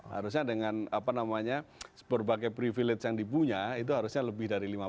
harusnya dengan apa namanya berbagai privilege yang di punya itu harusnya lebih dari lima puluh